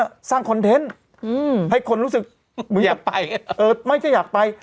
ก็สร้างคอนเทนต์อืมให้คนรู้สึกอยากไปเออไม่ใช่อยากไป